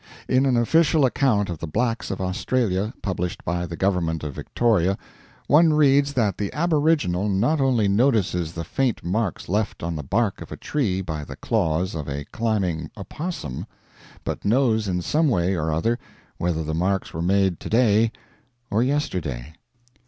In an official account of the blacks of Australia published by the government of Victoria, one reads that the aboriginal not only notices the faint marks left on the bark of a tree by the claws of a climbing opossum, but knows in some way or other whether the marks were made to day or yesterday.